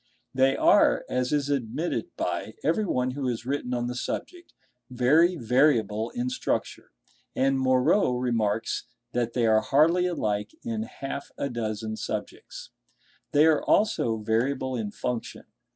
They are, as is admitted by everyone who has written on the subject, very variable in structure; and Moreau remarks that they are hardly alike in half a dozen subjects. They are also variable in function.